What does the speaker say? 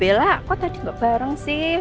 ba bella kok tadi nggak bareng sih